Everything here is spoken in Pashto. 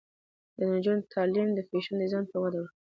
د نجونو تعلیم د فیشن ډیزاین ته وده ورکوي.